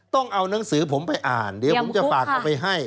ต้องเอานังสือผมไปอ่านเดี๋ยวผมจะฝากเอาไปให้